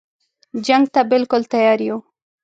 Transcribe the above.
جنګ ته بالکل تیار یو.